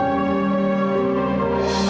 apa yang terjadi